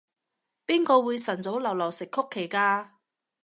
邊個會晨早流流食曲奇㗎？